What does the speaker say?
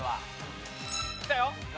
きたよ！